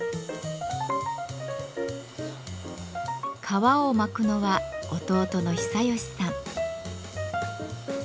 革を巻くのは弟の久与志さん。